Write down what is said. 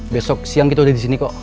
besok siang kita udah di sini kok